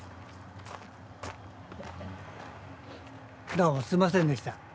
どうもすみませんでした。